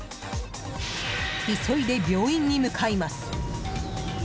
急いで病院に向かいます。